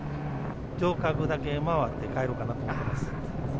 城郭だけ回って帰ろうかなと思ってます。